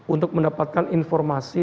untuk mendapatkan informasi